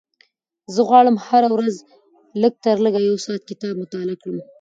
زه غواړم هره ورځ لږترلږه یو ساعت کتاب مطالعه کړم.